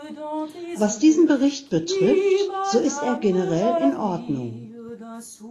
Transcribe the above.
Was diesen Bericht betrifft, so ist er generell in Ordnung.